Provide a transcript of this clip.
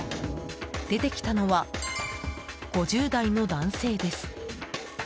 出てきたのは５０代の男性です。